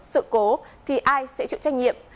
sự cố thì ai sẽ chịu trách nhiệm